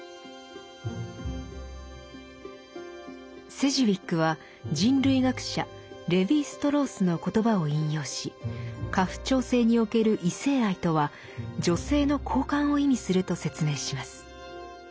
セジウィックは人類学者レヴィ＝ストロースの言葉を引用し家父長制における異性愛とは女性の交換を意味すると説明します。